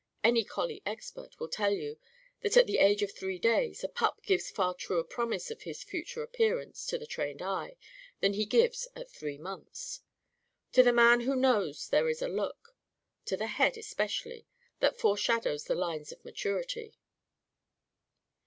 Any collie expert will tell you that at the age of three days a pup gives far truer promise of his future appearance to the trained eye than he gives at three months. To the man who knows, there is a look to the head, especially that foreshadows the lines of maturity.